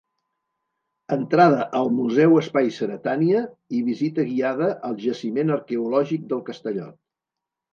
Entrada al Museu Espai Ceretània i visita guiada al Jaciment Arqueològic del Castellot.